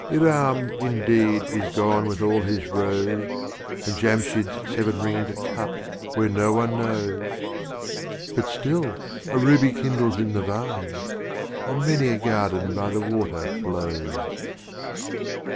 V. Iram indeed is gone with all his Rose, And Jamsh^d's Sev'n ring'd Cup where no one knows; But still a Ruby kindles in the Vine, And many a Garden by the Water blows.